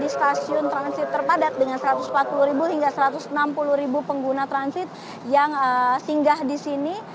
di stasiun transit terpadat dengan satu ratus empat puluh hingga satu ratus enam puluh pengguna transit yang singgah di sini